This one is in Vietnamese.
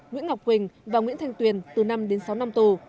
nguyễn ngọc quỳnh và nguyễn thanh tuyền từ năm đến sáu năm tù